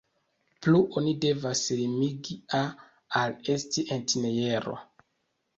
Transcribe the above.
Plu, oni devas limigi "a" al esti entjero.